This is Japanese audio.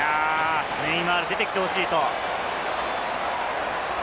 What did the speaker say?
ネイマール出てきてほしいと。